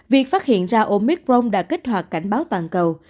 việc phát hiện ra omicron đã kích hoạt cảnh báo toàn cầu